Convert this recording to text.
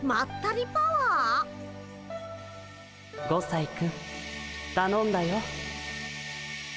５さいくんたのんだよ。